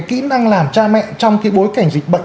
kỹ năng làm cha mẹ trong cái bối cảnh dịch bệnh